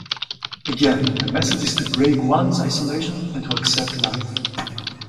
Again the message is to break one's isolation and to accept life.